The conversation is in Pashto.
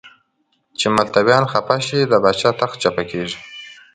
چې متولیان خفه شي د پاچا تخت چپه کېږي.